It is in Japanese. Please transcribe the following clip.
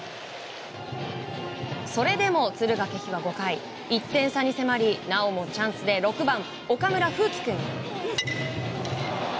それでも敦賀気比は５回１点差に迫りなおもチャンスで６番、岡村颯樹君。